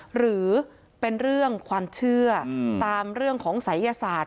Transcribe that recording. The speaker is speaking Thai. หรือเป็นเรื่องความเชื่อตามเรื่องของศัยยศาสตร์